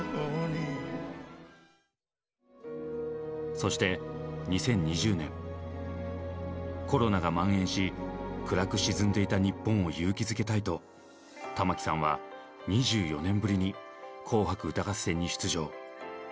そして２０２０年コロナがまん延し暗く沈んでいた日本を勇気づけたいと玉置さんは２４年ぶりに「紅白歌合戦」に出場。